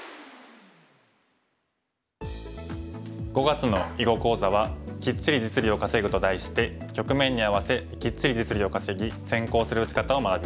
５月の囲碁講座は「キッチリ実利を稼ぐ」と題して局面に合わせキッチリ実利を稼ぎ先行する打ち方を学びます。